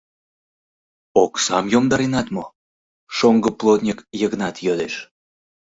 Оксам йомдаренат мо? — шоҥго плотньык, Йыгынат, йодеш.